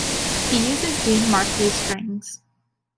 He uses Dean Markley strings.